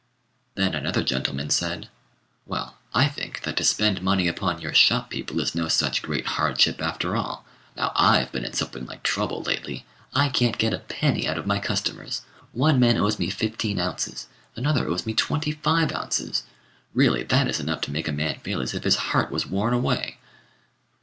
Then another gentleman said "Well, I think that to spend money upon your shop people is no such great hardship after all. Now I've been in something like trouble lately. I can't get a penny out of my customers. One man owes me fifteen ounces; another owes me twenty five ounces. Really that is enough to make a man feel as if his heart was worn away."